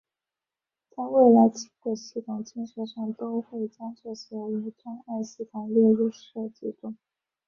在未来轻轨系统建设上都会将这些无障碍系统列入设计中。